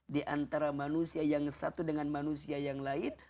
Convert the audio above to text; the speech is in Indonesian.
di antara manusia yang satu dengan manusia yang lain